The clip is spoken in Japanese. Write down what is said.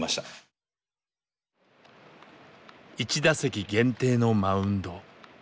１打席限定のマウンド。